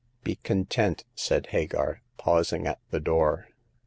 " Be content," said Hagar, pausing at the door.